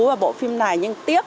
vào bộ phim này nhưng tiếc